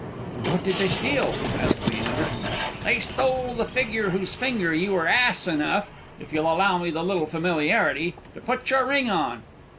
"And what did they steal?" asked Leander. "They stole the figure whose finger you were ass enough (if you'll allow me the little familiarity) to put your ring on.